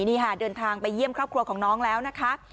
นี่ค่ะเดินทางไปเยี่ยมครอบครัวของน้องแล้วนะคะ